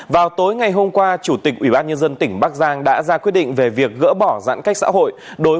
vào tối ngày hôm qua chủ tịch ủy ban nhân dân tỉnh bắc giang đã ra quyết định về việc gỡ bỏ giãn cách xã hội